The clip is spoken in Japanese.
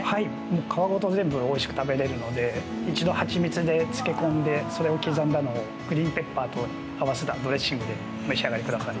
皮ごとおいしく食べれるので一度、蜂蜜で漬け込んでそれを刻んだのをグリーンペッパーと合わせたドレッシングで召し上がりください。